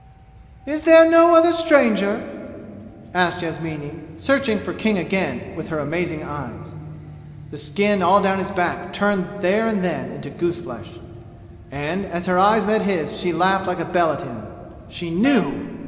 "Is there no other stranger?" asked Yasmini, searching for King again with her amazing eyes. The skin all down his back turned there and then into gooseflesh. And as her eyes met his she laughed like a bell at him. She knew!